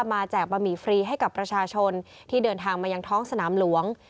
แจกบะหมี่ฟรีให้กับประชาชนที่เดินทางมายังท้องสนามหลวง